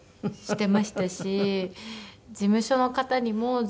してました。